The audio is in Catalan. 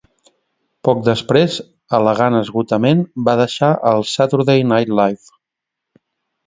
Poc després, al·legant esgotament, va deixar el "Saturday Night Live".